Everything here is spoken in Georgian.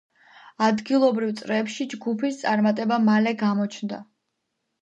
ადგილობრივ წრეებში ჯგუფის წარმატება მალე გამოჩნდა.